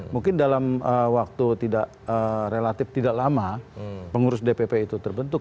mungkin dalam waktu tidak relatif tidak lama pengurus dpp itu terbentuk